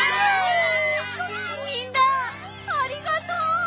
みんなありがとう！